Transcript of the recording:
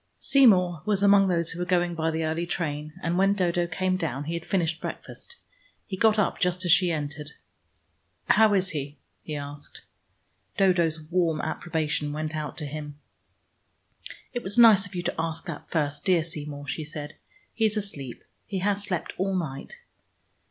Seymour was among those who were going by the early train, and when Dodo came down he had finished breakfast. He got up just as she entered. "How is he?" he asked. Dodo's warm approbation went out to him. "It was nice of you to ask that first, dear Seymour," she said. "He is asleep: he has slept all night."